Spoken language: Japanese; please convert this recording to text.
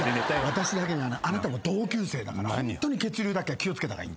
私だけじゃないあなたも同級生だからホントに血流だけは気を付けた方がいい。